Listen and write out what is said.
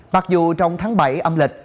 mặc dù trong tháng bảy âm lịch